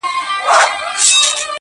خو پاچا تېر له عالمه له پېغور وو؛